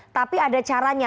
tapi ada caranya